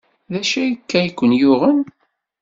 D acu akka i ken-yuɣen?